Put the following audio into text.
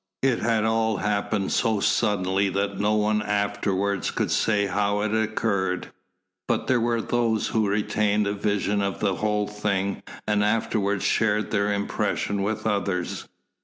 It had all happened so suddenly that no one afterwards could say how it occurred. But there were those who retained a vision of the whole thing and afterwards shared their impressions with others.